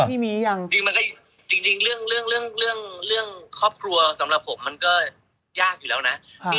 พี่มียังจริงจริงเรื่องเรื่องเรื่องเรื่องเรื่องครอบครัวสำหรับผมมันก็ยากอยู่แล้วน่ะอ่า